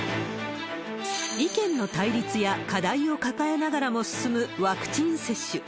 意見の対立や課題を抱えながらも進むワクチン接種。